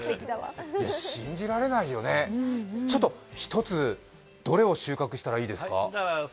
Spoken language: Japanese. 信じられないよね、１つ、どれも収穫したらいいですか？